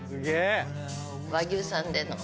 和牛さんでの。